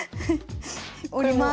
下ります。